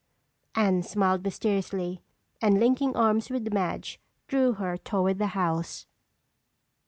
Anne smiled mysteriously, and linking arms with Madge, drew her toward the house.